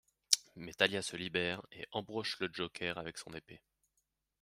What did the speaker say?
Mais Talia se libère et embroche le Joker avec son épée.